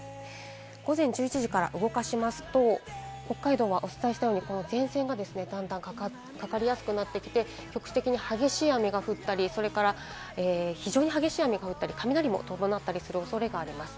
午前１１時から動かしますと、北海道はお伝えしたように前線が段々かかりやすくなってきて、局地的に激しい雨が降ったり、非常に激しい雨が降ったり雷も伴ったりする恐れがあります。